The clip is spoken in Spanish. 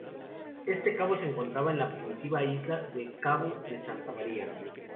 Este cabo se encontraba en la primitiva isla de Cabo de Santa María.